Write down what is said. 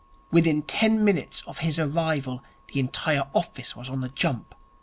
Within ten minutes of his arrival the entire office was on the jump.